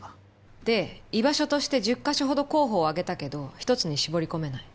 で居場所として１０カ所ほど候補を挙げたけど１つに絞り込めない。